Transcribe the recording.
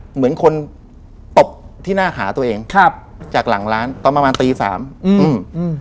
เหมือนคนตบที่หน้าขาตัวเองครับจากหลังร้านตอนประมาณตีสามอืมอืม